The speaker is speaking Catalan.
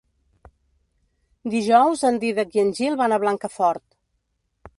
Dijous en Dídac i en Gil van a Blancafort.